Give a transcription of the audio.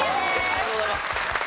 ありがとうございます。